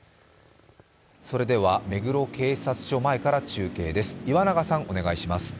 それでは目黒警察署前から中継です。